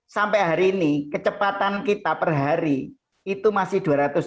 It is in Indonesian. sampai hari ini kecepatan kita per hari itu masih dua ratus dua puluh